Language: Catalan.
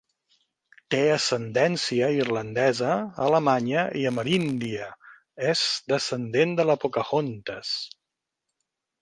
Té ascendència irlandesa, alemanya i ameríndia, és descendent de la Pocahontas.